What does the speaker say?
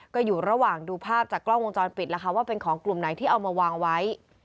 ก็อยู่ระหว่างดูภาพจากกล้องวงจรปิดแล้วค่ะว่าเป็นของกลุ่มไหนที่เอามาวางไว้